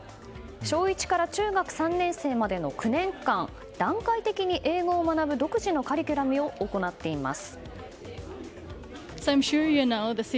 小１から中学３年生までの９年間段階的に英語を学ぶ独自のカリキュラムを行っています。